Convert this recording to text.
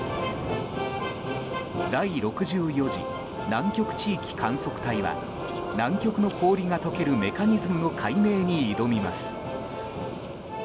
第６４次南極地域観測隊は南極の氷が解けるメカニズムの解明に挑みます。